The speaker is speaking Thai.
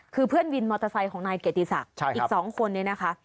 คือเพื่อนวินมอเตอร์ไซค์ของนายเกียรติศักดิ์อีก๒คนนี้นะคะ